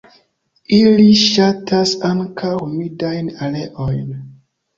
Ili ŝatas ankaŭ humidajn areojn.